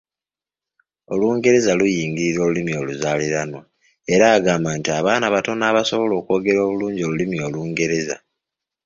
Olungereza luyingirira olulimi oluzaaliranwa, era agamba nti abaana batono abasobola okwogera obulungi olulimi Olungereza.